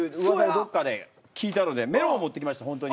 どっかで聞いたのでメロンを持ってきましたほんとに。